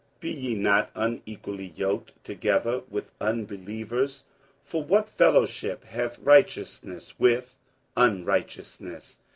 47:006:014 Be ye not unequally yoked together with unbelievers: for what fellowship hath righteousness with unrighteousness?